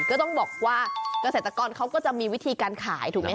ก็ต้องบอกว่าเกษตรกรเขาก็จะมีวิธีการขายถูกไหมค